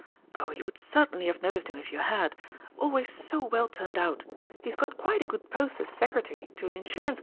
Oh, you would certainly have noticed him if you had always so well turned out. He's got quite a good post as Secretary to an Insurance Co.